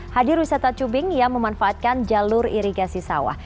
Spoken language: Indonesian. hadir wisata cubing yang memanfaatkan jalur irigasi sawah